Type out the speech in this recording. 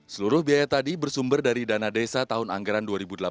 seluruh biaya tadi bersumber dari dana desa tahun anggaran dua ribu delapan belas